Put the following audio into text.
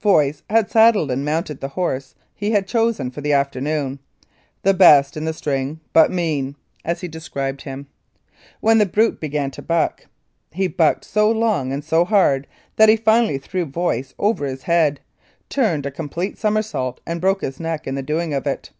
Voice had saddled and mounted the horse he had chosen for the afternoon ("the best in the string, but mean," as he described him) when the brute began to buck. He bucked so long and so hard that he finally threw Voice over his head, turned a complete somersault, and broke his neck in the doing of it.